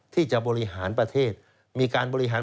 ที่จะมีการบริหารประเทศ